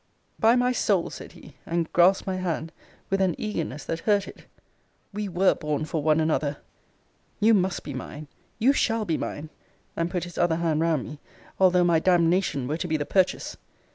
By my soul, said he, and grasped my hand with an eagerness that hurt it, we were born for one another: you must be mine you shall be mine [and put his other hand round me] although my damnation were to be the purchase!